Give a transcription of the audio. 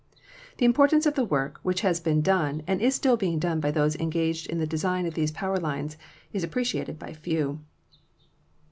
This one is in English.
The Importance of the work which has been done and is still being done by those engaged in the design of these power lines is appreciated by few.